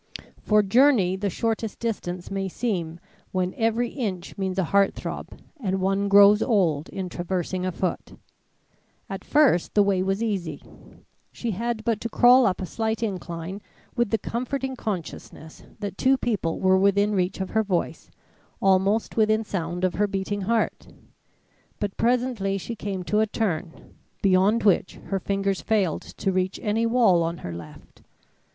For journey the shortest distance may seem when every inch means a heart throb and one grows old in traversing a foot. At first the way was easy; she had but to crawl up a slight incline with the comforting consciousness that two people were within reach of her voice, almost within sound of her beating heart. But presently she came to a turn, beyond which her fingers failed to reach any wall on her left.